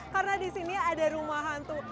karena disini ada rumah hantu